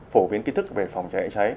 phổ biến kiến thức về phòng cháy chữa cháy